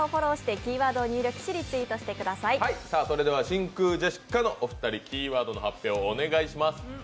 真空ジェシカのお二人、キーワードの発表をお願いします。